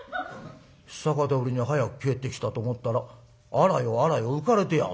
久方ぶりに早く帰ってきたと思ったら『あらよあらよ』浮かれてやがんだな。